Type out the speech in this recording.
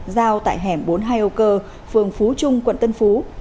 giao tại hẻm bốn mươi hai âu cơ phường phú trung quận tân phú